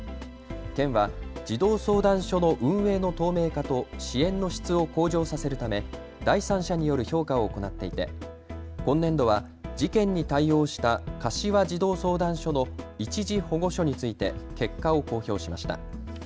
県は児童相談所の運営の透明化と支援の質を向上させるため第三者による評価を行っていて今年度は事件に対応した柏児童相談所の一時保護所について結果を公表しました。